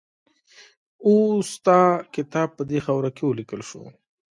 اوستا کتاب په دې خاوره کې ولیکل شو